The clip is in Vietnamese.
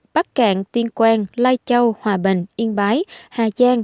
bắc cạn tuyên quang lai châu hòa bình yên bái hà giang